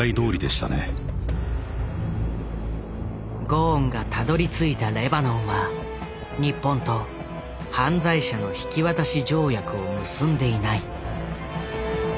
ゴーンがたどりついたレバノンは日本と犯罪者の引き渡し条約を結んでいない。